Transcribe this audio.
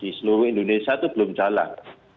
di seluruh indonesia itu belum jalan